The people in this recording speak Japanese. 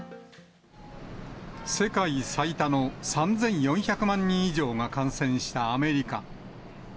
世界最多の３４００万人以上が感染したアメリカ。